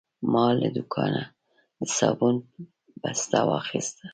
ما له دوکانه د صابون بسته واخیسته.